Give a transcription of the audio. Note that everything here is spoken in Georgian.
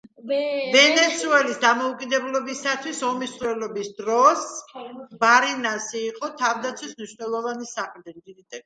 ვენესუელის დამოუკიდებლობისათვის ომის მსვლელობის დროს ბარინასი იყო თავდაცვის მნიშვნელოვანი საყრდენი.